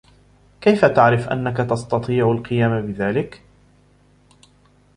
كيف تعرف أنك تستطيع القيام بذلك؟